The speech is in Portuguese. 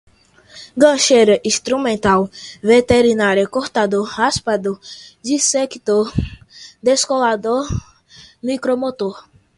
gancheira, instrumental, veterinária, cortador, raspador, dissector, descolador, micromotor